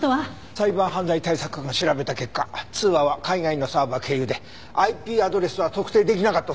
サイバー犯罪対策課が調べた結果通話は海外のサーバー経由でＩＰアドレスは特定できなかったそうだ。